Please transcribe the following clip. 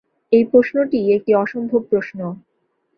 এই প্রশ্নটিই একটি অসম্ভব প্রশ্ন।